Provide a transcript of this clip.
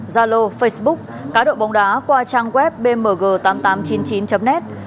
gia lô facebook cá độ bồng đá qua trang web bmg tám nghìn tám trăm chín mươi chín net